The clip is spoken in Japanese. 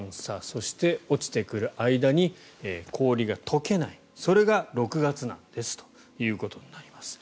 そして、落ちてくる間に氷が溶けないそれが６月なんですということになります。